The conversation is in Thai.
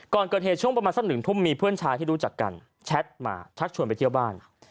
ก่อนเกิดเหตุช่วงประมาณสักหนึ่งทุ่มมีเพื่อนชายที่รู้จักกันแชทมาชักชวนไปเที่ยวบ้าน